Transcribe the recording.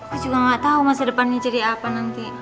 gue juga gak tau masa depannya jadi apa nanti